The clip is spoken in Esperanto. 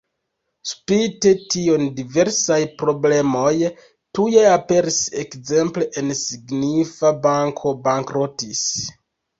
Spite tion diversaj problemoj tuj aperis, ekzemple en signifa banko bankrotis.